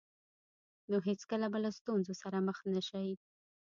نو هېڅکله به له ستونزو سره مخ نه شئ.